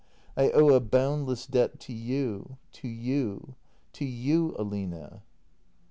] I owe a boundless debt to you — to you — to you, Aline.